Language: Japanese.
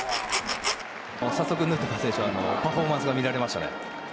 早速、ヌートバー選手パフォーマンス見られましたね。